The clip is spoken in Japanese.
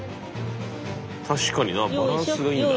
確かになバランスがいいんだな。